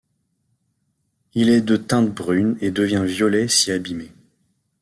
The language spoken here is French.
Il est de teinte brune et devient violet si abimé.